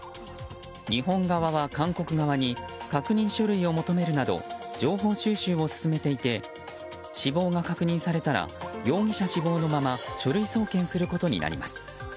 日本側は韓国側に確認書類を求めるなど情報収集を進めていて死亡が確認されたら容疑者死亡のまま書類送検することになります。